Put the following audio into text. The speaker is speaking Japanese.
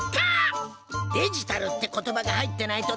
デジタルって言葉が入ってないとダメですにゃ。